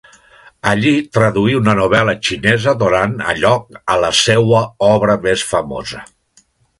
Allí traduí una novel·la xinesa donant a lloc a la seua obra més famosa.